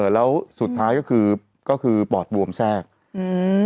แล้วสุดท้ายก็คือปอดบวมแทรกแล้วก็เสียชีวิต